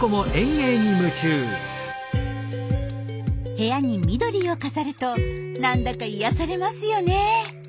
部屋に緑を飾るとなんだか癒やされますよね。